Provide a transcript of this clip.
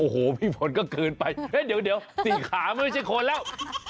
โอ้โหพี่พลก็เกินไปเดี๋ยวสี่ขาไม่ใช่คนแล้ว